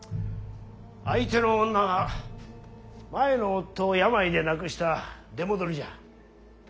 相手の女は前の夫を病で亡くした出戻りじゃ。